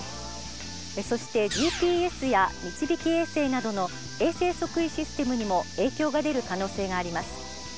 そしてＧＰＳやみちびき衛星などの衛星測位システムにも影響が出る可能性があります。